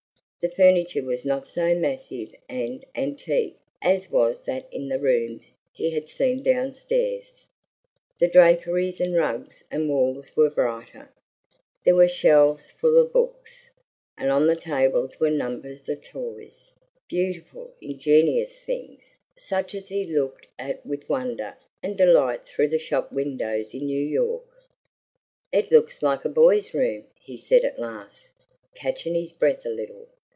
The furniture was not so massive and antique as was that in the rooms he had seen downstairs; the draperies and rugs and walls were brighter; there were shelves full of books, and on the tables were numbers of toys, beautiful, ingenious things, such as he had looked at with wonder and delight through the shop windows in New York. "It looks like a boy's room," he said at last, catching his breath a little.